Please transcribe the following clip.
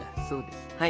そうです。